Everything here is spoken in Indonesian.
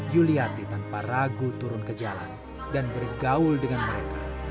yuliati tanpa ragu turun ke jalan dan bergaul dengan mereka